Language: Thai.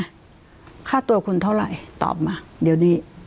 โอเคนะค่าตัวคุณเท่าไรตอบมาเดี๋ยวดี